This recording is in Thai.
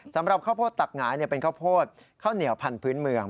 สำหรับข้าวโพดตักหงายเป็นข้าวโพดข้าวเหนียวพันธุ์เมือง